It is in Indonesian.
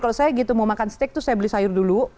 kalau saya gitu mau makan steak tuh saya beli sayur dulu